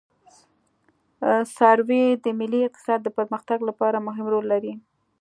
سروې د ملي اقتصاد د پرمختګ لپاره مهم رول لري